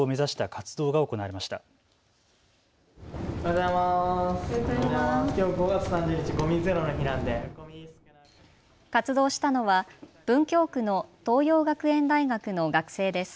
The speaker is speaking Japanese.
活動したのは文京区の東洋学園大学の学生です。